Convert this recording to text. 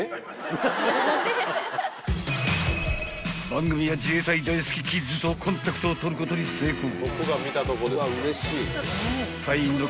［番組は自衛隊大好きキッズとコンタクトを取ることに成功］